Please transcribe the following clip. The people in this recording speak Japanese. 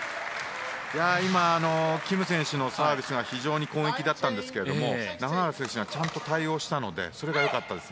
今、キム選手のサービスが非常に攻撃的だったんですが永原選手がちゃんと対応したのでそれが良かったです。